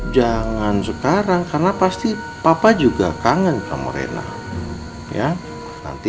jangan sekarang karena pasti papa juga kangen sama rena ya nanti